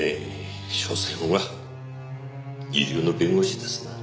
しょせんは二流の弁護士ですな。